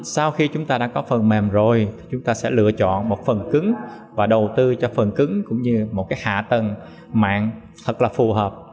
sau khi chúng ta đã có phần mềm rồi chúng ta sẽ lựa chọn một phần cứng và đầu tư cho phần cứng cũng như một hạ tầng mạng thật là phù hợp